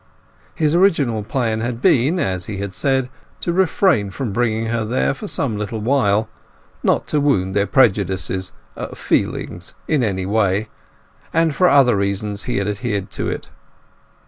His original plan had been, as he had said, to refrain from bringing her there for some little while—not to wound their prejudices—feelings—in any way; and for other reasons he had adhered to it.